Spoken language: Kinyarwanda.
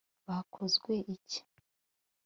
Bakozwe iki